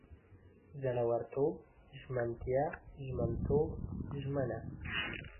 زړورتوب، ژمنتیا، ژمنتوب، ژمنه